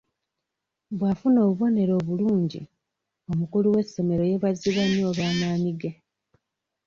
Bw'afuna obubonero obulungi, omukulu w'essomero yeebazibwa nnyo olw'amaanyi ge.